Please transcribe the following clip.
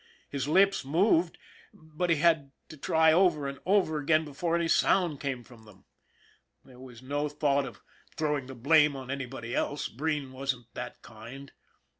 His lips moved, but he had to try over and over again before any sound came from them. There was no 52 ON THE IRON AT BIG CLOUD thought of throwing the blame on anybody else. Breen wasn't that kind.